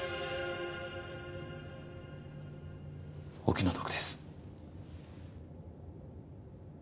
お気の毒です。